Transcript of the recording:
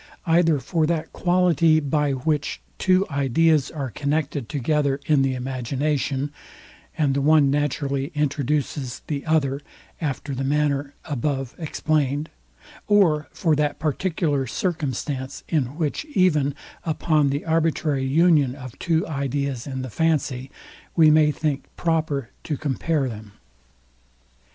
Either for that quality, by which two ideas are connected together in the imagination, and the one naturally introduces the other, after the manner above explained: or for that particular circumstance, in which, even upon the arbitrary union of two ideas in the fancy, we may think proper to compare them.